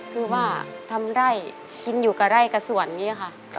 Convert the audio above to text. คือว่าทำไร่กินอยู่กับไร่กับส่วนอย่างนี้ค่ะ